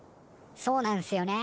そうなんすよね